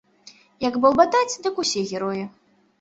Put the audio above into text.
Як балбатаць, дык усе героі.